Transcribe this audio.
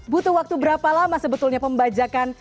butuh waktu berapa lama sebetulnya pembajakan